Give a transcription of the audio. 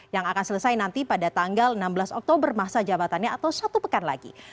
yang akan selesai nanti pada tanggal enam belas oktober masa jabatannya atau satu pekan lagi